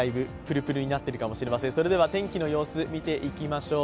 それでは天気の様子を見ていきましょう。